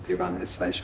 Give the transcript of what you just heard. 最初。